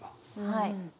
はい。